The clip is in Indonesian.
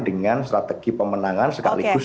dengan strategi pemenangan sekaligus